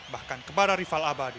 bahkan kepada rival abadi